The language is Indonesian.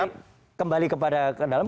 nanti kembali ke dalam